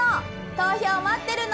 投票待ってるの！